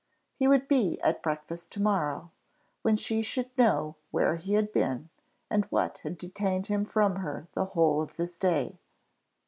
He would be at breakfast to morrow, when she should know where he had been, and what had detained him from her the whole of this day.